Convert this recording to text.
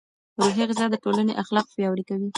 روحي غذا د ټولنې اخلاق پیاوړي کوي.